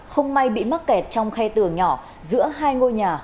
không may bị mắc kẹt trong khe tường nhỏ giữa hai ngôi nhà